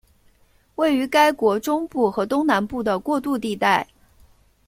位于该国中部和东南部的过渡地带。